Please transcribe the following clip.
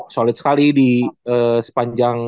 solid sekali di sepanjang